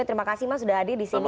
terima kasih mas sudah hadir di sini